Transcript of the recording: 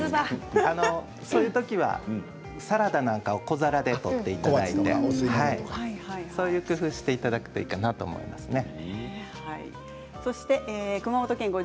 そういうときにはサラダを小皿で取っていただいてそういう工夫をしていただくといいと思いますね。